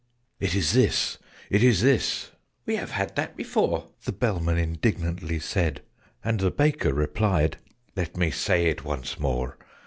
"It is this, it is this " "We have had that before!" The Bellman indignantly said. And the Baker replied "Let me say it once more.